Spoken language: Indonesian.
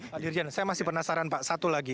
pak dirjen saya masih penasaran pak satu lagi